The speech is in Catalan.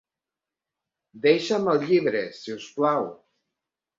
Deixa'm el llibre, si us plau.